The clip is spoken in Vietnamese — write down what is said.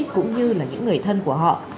cũng như là những người thân của họ